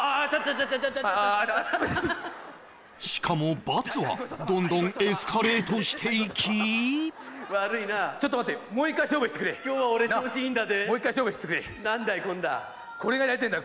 ちょちょちょっああっしかも罰はどんどんエスカレートしていき悪いなちょっと待ってもう一回勝負してくれ今日は俺調子いいんだぜもう一回勝負してくれ何だい今度はこれがやりてえんだ